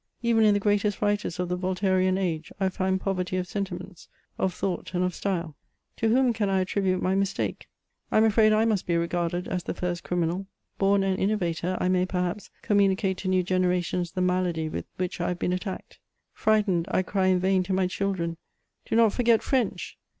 Even in the greatest writers of the Voltairian age, I find poverty of sentiments, of thought, and of stvle. To whom can I attribute my mistake ? I am afraid I must be regarded as the first criminal : born an innovator, I may, perhaps, communicate to new generations the malady with which I have been attacked. Frightened, I cry in vain to my children :" Do not forget French